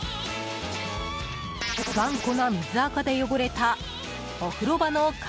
頑固な水垢で汚れたお風呂場の鏡。